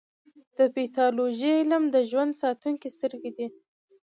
د پیتالوژي علم د ژوند ساتونکې سترګې دي.